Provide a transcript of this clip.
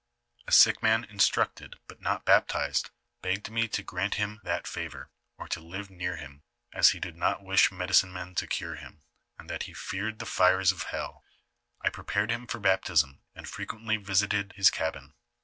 " A sick man instructed, but not baptized, begged me to grant him that favor, or to live near him, as he did noi wish medicine men to cure him, and that he feared the fires of hell. I prepared him for baptism, and frequently visited his cabin.